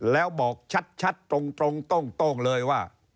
แล้วบอกชัดตรงโต้งเลยว่า